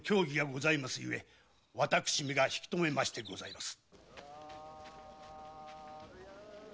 ゆえ私めが引き止めましてございます。